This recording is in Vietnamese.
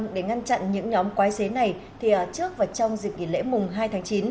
để ngăn chặn những nhóm quái xế này trước và trong dịp nghỉ lễ mùng hai tháng chín